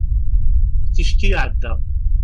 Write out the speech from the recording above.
ticki iɛedda